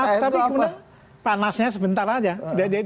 tapi panasnya sebentar aja